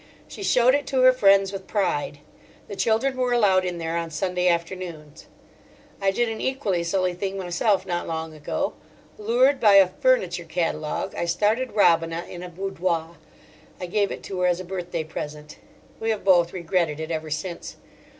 She showed it to her friends with pride. The children were allowed in there on Sunday afternoons. I did an equally silly thing myself not long ago. Lured by a furniture catalogue, I started Robina in a boudoir. I gave it to her as a birthday present. We have both regretted it ever since.